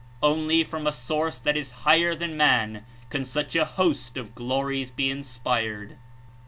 Only from a source that Is higher than man can such a host of glories be Inspired.